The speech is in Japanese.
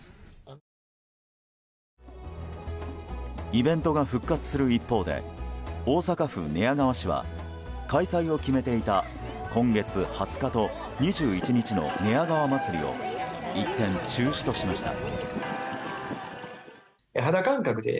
イベントが復活する一方で大阪府寝屋川市は開催を決めていた今月２０日と２１日の寝屋川まつりを一転、中止としました。